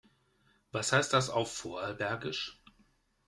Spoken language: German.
Was heißt das auf Vorarlbergisch?